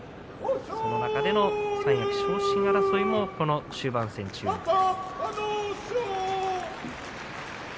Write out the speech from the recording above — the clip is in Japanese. その中での三役昇進争いもこの終盤戦、注目です。